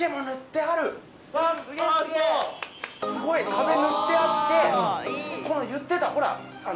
壁塗ってあってこの言ってたほら！